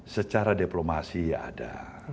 secara diplomasi ya ada